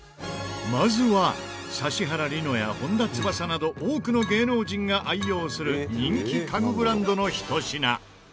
まずは指原莉乃や本田翼など多くの芸能人が愛用する人気家具ブランドのひと品。